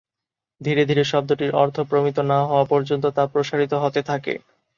ধীরে ধীরে শব্দটির অর্থ প্রমিত না হওয়া পর্যন্ত তা প্রসারিত হতে থাকে।